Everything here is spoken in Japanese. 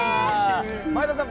前田さん